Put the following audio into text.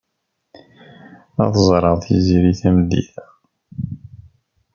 Ad ẓreɣ Tiziri tameddit-a.